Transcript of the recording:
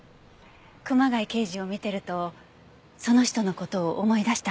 熊谷刑事を見てるとその人の事を思い出したからかも。